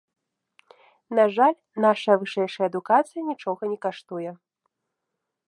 На жаль, нашая вышэйшая адукацыя нічога не каштуе.